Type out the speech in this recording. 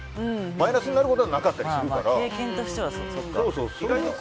マイナスになることはなかったりするからね。